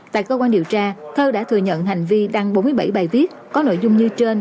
tại cơ quan điều tra thơ đã thừa nhận hành vi đăng bốn mươi bảy bài viết có nội dung như trên